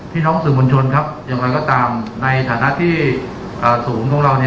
พี่น้องสื่อมวลชนอย่างไรก็ตามในฐานะที่สูงของเรา